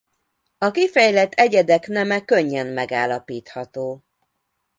A kifejlett egyedek neme könnyen megállapítható.